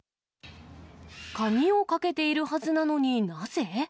鍵をかけているはずなのになぜ？